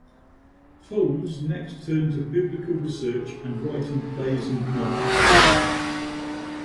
Towles next turned to biblical research and writing plays and novels.